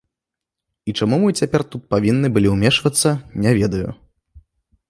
І чаму мы цяпер тут павінны былі ўмешвацца, не ведаю.